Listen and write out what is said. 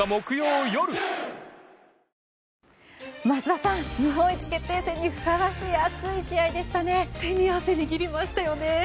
桝田さん、日本一決定戦にふさわしい熱い試合でしたよね。